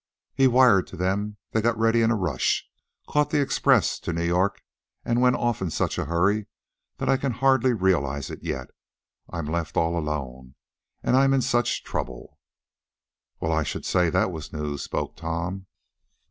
"He wired to them, they got ready in a rush, caught the express to New York, and went off in such a hurry that I can hardly realize it yet. I'm left all alone, and I'm in such trouble!" "Well, I should say that was news," spoke Tom.